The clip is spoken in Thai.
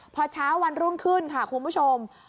พอเช้าวันรุ่งขึ้นค่ะคุณผู้ชม